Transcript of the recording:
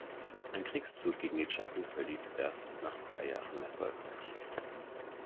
Ein Kriegszug gegen die Chatten verlief erst nach zwei Jahren erfolgreich.